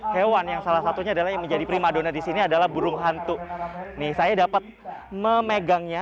hewan yang salah satunya adalah menjadi primadona di sini adalah burung hantu nih saya dapat memegangnya